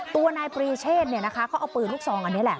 ตัวนายปรีเชศเนี่ยนะคะเขาเอาปืนลูกซองอันนี้แหละ